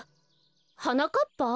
はなかっぱ？